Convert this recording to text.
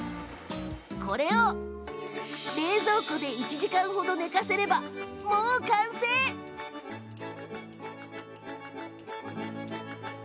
これを冷蔵庫で１時間ほど寝かせればもう完成です！